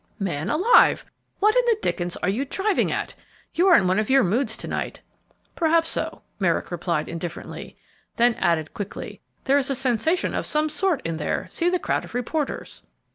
"Man alive! what in the dickens are you driving at? You are in one of your moods to night." "Perhaps so," Merrick replied, indifferently, then added quickly, "There is a sensation of some sort in there; see the crowd of reporters!"